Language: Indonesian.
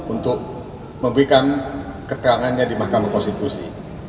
untuk memberikan keterangannya di mahkamah konstitusi